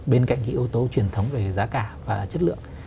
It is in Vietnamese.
bên cạnh cái yếu tố truyền thống về giá cả và chất lượng